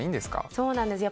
そうなんです。